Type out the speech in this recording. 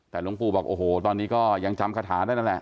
แต่หลวงปู่บอกโอ้โหตอนนี้ก็ยังจำคาถาได้นั่นแหละ